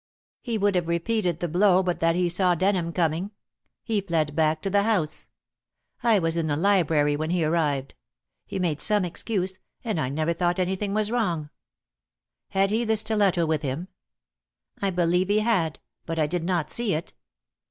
He would have repeated the blow but that he saw Denham coming. He fled back to the house. I was in the library when he arrived. He made some excuse, and I never thought anything was wrong." "Had he the stiletto with him?" "I believe he had, but I did not see it.